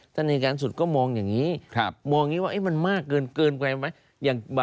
อายการสุดก็มองอย่างนี้มองอย่างนี้ว่ามันมากเกินไปไหม